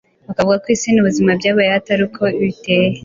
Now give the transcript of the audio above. bakavuga ko Isi n’ubuzima byabayeho ataruko biteye